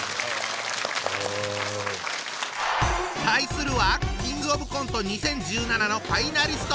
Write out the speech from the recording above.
対するはキングオブコント２０１７のファイナリスト！